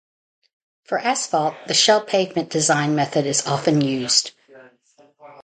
For asphalt, the Shell pavement design method is often used.